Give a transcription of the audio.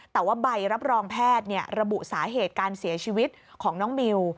แต่ว่าใบรับรองแพทย์ระบุสาเหตุการเสียชีวิตของน้องมิว